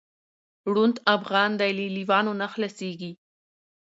ړوند افغان دی له لېوانو نه خلاصیږي